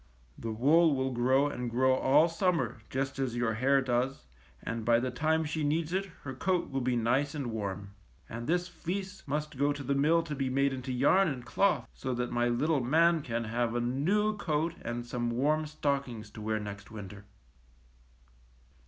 The wool will grow and grow all summer, just as your hair does, and NANNIE'S COAT. 151 by the time she needs it her coat will be nice and warm. And this fleece must go to the mill to be made into yarn and cloth so that my little man can have a new coat and some warm stockings to wear next winter.